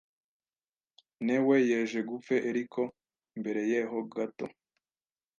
ne we yeje gupfe eriko mbere yeho gto